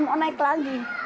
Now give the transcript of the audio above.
mau naik lagi